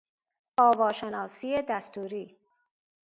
آواشناسی دستوری